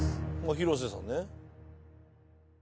廣瀬さんね。